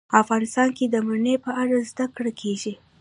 افغانستان کې د منی په اړه زده کړه کېږي.